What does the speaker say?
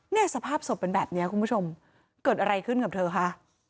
สภาพศพเป็นแบบนี้คุณผู้ชมเกิดอะไรขึ้นกับเธอคะ